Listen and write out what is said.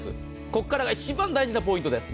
ここからが一番大事なポイントです。